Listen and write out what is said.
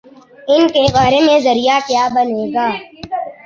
ان کے بارے میں ذریعہ کیا بنے گا؟